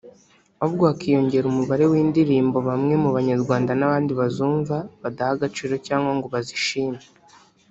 ahubwo hakiyongera umubare w’indirimbo bamwe mu banyarwanda n’abandi bazumva badaha agaciro cyangwa ngo bazishime